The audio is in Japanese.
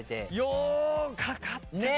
ようかかってた。